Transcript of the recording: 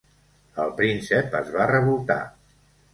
El príncep es va revoltar.